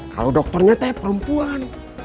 kalau dokternya takannya perempuan